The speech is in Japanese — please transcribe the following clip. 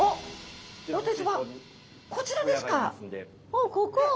あっここ？